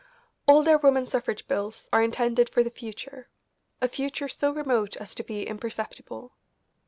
All their woman suffrage bills are intended for the future, a future so remote as to be imperceptible.